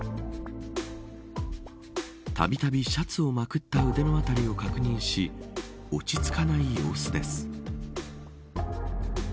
たびたびシャツをまくった腕の辺りを確認し落ち着かない様子です。